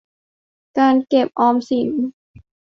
การเก็บออมทรัพย์สิน